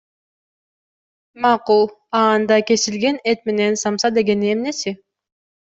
Макул, а анда кесилген эт менен самса дегени эмнеси?